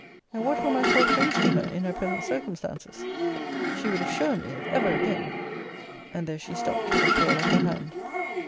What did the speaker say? And what were my four friends to her in her present circumstances? She would assure me, if ever again' And there she stopped, with a twirl of her hand.